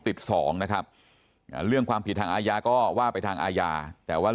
สองนะครับเรื่องความผิดทางอาญาก็ว่าไปทางอาญาแต่ว่า